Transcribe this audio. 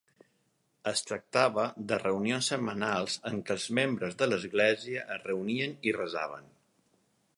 Es tractava de reunions setmanals en què els membres de l'església es reunien i resaven.